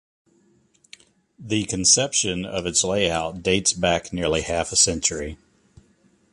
The conception of its layout dates back nearly half a century.